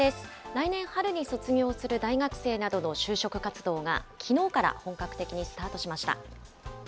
来年春に卒業する大学生などの就職活動が、きのうから本格的にスタートしました。